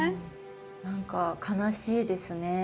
何か悲しいですね。